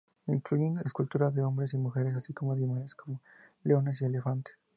Incluye esculturas de hombres y mujeres, así como de animales como leones y elefantes.